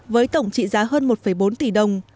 với tổng trị giá hơn một bốn tỷ đồng